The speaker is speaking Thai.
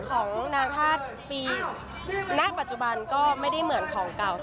ของนาธาตุปีณปัจจุบันก็ไม่ได้เหมือนของเก่า